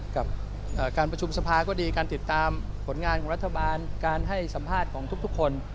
กับการประชุมสภาก็ดีการติดตามผลงานของรัฐบาลการให้สัมภาษณ์ของทุกคน